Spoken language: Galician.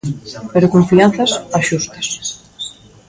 Pero confianzas, as xustas.